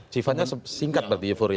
sifatnya singkat berarti euforia